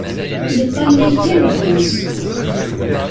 Yeṭṭalay kan deg-s.